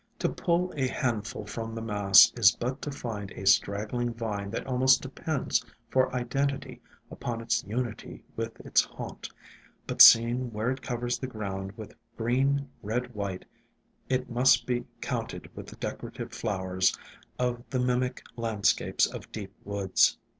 To pull a handful from the mass is but to find a straggling vine that almost depends for identity upon its unity with its haunt, but seen where it covers the ground with green red white, it must be counted with the decorative flowers of the mimic landscapes of deep woods.